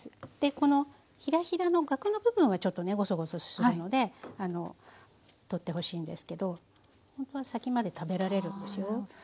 このヒラヒラのがくの部分はちょっとねゴソゴソするので取ってほしいんですけどほんとは先まで食べられるんですよ。